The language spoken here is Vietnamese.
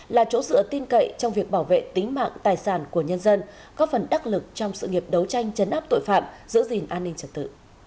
là chỗ dựa tin cậy trong việc bảo vệ tính mạng tài sản của nhân dân góp phần đắc lực trong sự nghiệp đấu tranh chấn áp tội phạm giữ gìn an ninh trật tự